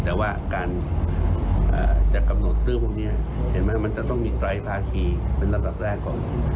แต่ว่าการจะกำหนดเรื่องพวกนี้เห็นไหมมันจะต้องมีไตรภาคีเป็นระดับแรกของ